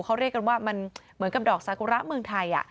เขาเรียกกันว่ามันเหมือนกับดอกสากุระเมืองไทย